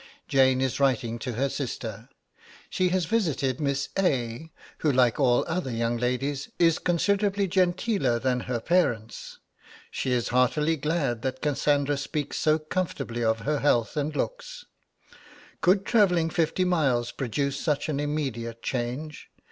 Jane is writing to her sister. She has visited Miss A., who, like all other young ladies, is considerably genteeler than her parents. She is heartily glad that Cassandra speaks so comfortably of her health and looks: could travelling fifty miles produce such an immediate change?